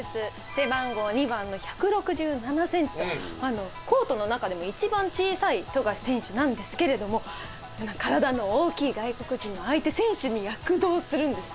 背番号２番の１６７センチとコートの中でも一番小さい富樫選手なんですけれども体の大きい外国人の相手選手に躍動するんですね。